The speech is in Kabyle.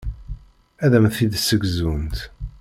Ad am-t-id-ssegzunt.